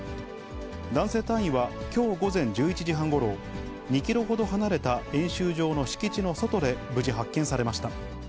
男性隊員は、きょう午前１１時半ごろ、２キロほど離れた演習場の敷地の外で無事、発見されました。